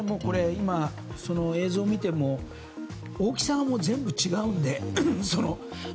映像を見ても大きさが全部違うので。